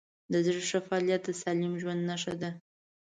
د زړه ښه فعالیت د سالم ژوند نښه ده.